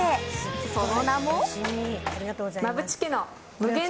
その名も。